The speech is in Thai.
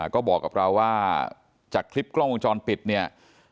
ก็บอกกับเราว่าจากคลิปกล้องวงจรปิดเนี่ย